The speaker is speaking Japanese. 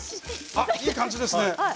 いい感じですね。